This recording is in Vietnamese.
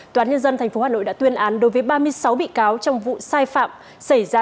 tòa án nhân dân tp hà nội đã tuyên án đối với ba mươi sáu bị cáo trong vụ sai phạm xảy ra